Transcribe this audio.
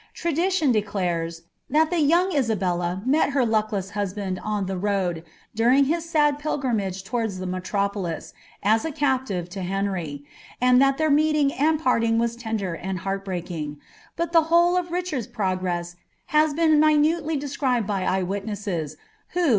Tradition declares, thai ihe young Isabella met her Inekless husbund on the Tmd, during his sad pilgrimage towards the metropolis, as a captive lo llrnry. and that their meeting and parting were tender and heart* breaking; bul ihe whole of Richard's progress has been uiinniely rieactibetl by eye witnesses, who.